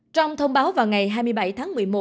trong thông báo vào ngày hai mươi bảy tháng một mươi một